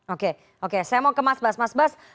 oke oke saya mau ke mas bas